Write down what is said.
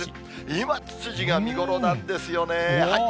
今、つつじが見頃なんですよね。